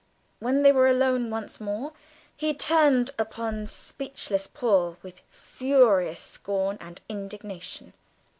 When they were alone once more he turned upon the speechless Paul with furious scorn and indignation.